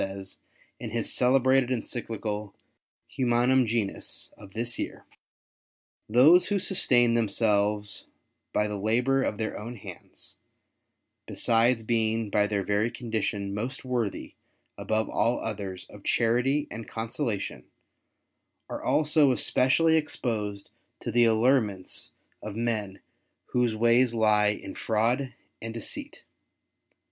says, in his celebrated Encyclical Humanum Genus of this year, '^ Those who sustain themselves by the labour of their own hands, besides being by their very condition most worthy above all others of charity end consolation, are also especially exposed to the allurements of men whose ways lie in fraud and deceit.